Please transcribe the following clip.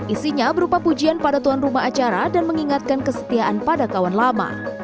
isinya berupa pujian pada tuan rumah acara dan mengingatkan kesetiaan pada kawan lama